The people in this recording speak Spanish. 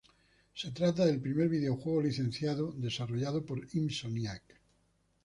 Se trata del primer videojuego licenciado desarrollado por Insomniac.